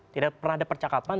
tidak pernah ada percakapan